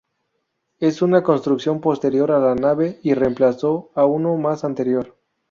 Es una construcción posterior a la nave, y reemplazó a uno más anterior.